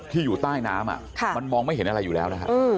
อยู่ใต้น้ำมันมองไม่เห็นอะไรอยู่แล้วนะฮะ